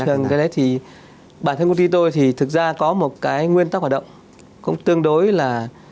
cái đấy thì bản thân công ty tôi thì thực ra có một cái nguyên tắc hoạt động cũng tương đối là